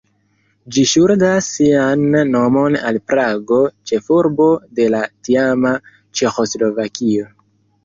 Ĝi ŝuldas sian nomon al Prago, ĉefurbo de la tiama Ĉeĥoslovakio.